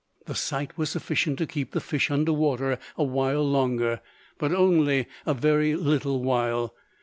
The sight was sufficient to keep the fish under water a while longer, but only a very little while.